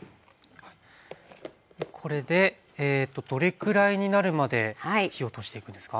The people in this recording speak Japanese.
これでどれくらいになるまで火を通していくんですか？